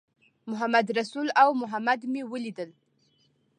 محمدرسول او محمد مې ولیدل.